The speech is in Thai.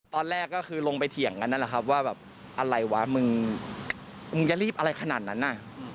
ตอนแรกก็คือลงไปเถียงกันนั่นแหละครับว่าแบบอะไรวะมึงมึงจะรีบอะไรขนาดนั้นน่ะ